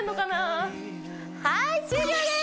はい終了です！